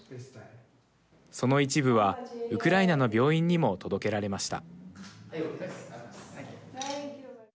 その一部はウクライナの病院にも届けられました。